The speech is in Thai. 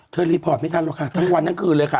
รีพอร์ตไม่ทันหรอกค่ะทั้งวันทั้งคืนเลยค่ะ